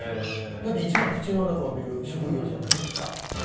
だって、一番口の中を見る職業じゃないですか。